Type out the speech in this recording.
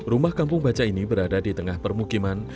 rumah kampung baca ini berada di tengah permukiman